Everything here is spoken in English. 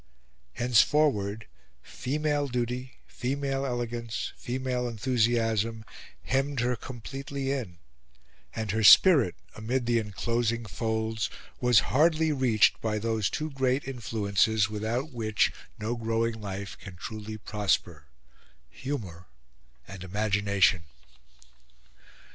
Henceforward female duty, female elegance, female enthusiasm, hemmed her completely in; and her spirit, amid the enclosing folds, was hardly reached by those two great influences, without which no growing life can truly prosper humour and imagination.